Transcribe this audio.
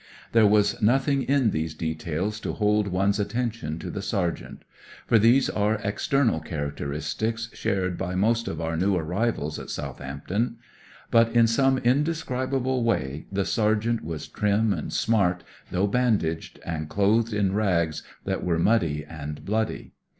There was nothing in these details to hold one's attention to the sergeant; for these are external characteristics shared by most of our new arrivals at South ampton. But in some indescribable way the sergeant was trim and smart, though bandaged and clothed in rags that were muddy and bloody.